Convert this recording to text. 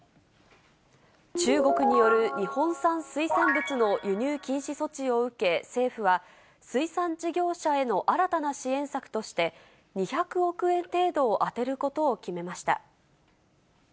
中国による日本産水産物の輸入禁止措置を受け、政府は、水産事業者への新たな支援策として、２００億円程度を充てることを決めました。